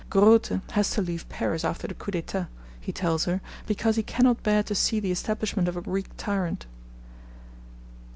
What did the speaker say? Grote has to leave Paris after the coup d'etat, he tells her, because he cannot bear to see the establishment of a Greek tyrant.